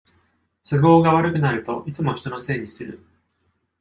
都合が悪くなるといつも人のせいにする